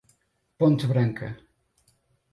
Ponte Branca